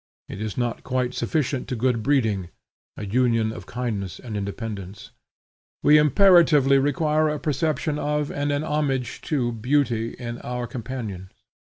It is not quite sufficient to good breeding, a union of kindness and independence. We imperatively require a perception of, and a homage to beauty in our companions.